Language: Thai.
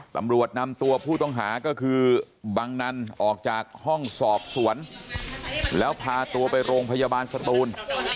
ตำรวจนำตัวผู้ต้องหาก็คือบังนันออกจากห้องสอบสวนแล้วพาตัวไปโรงพยาบาลสตูน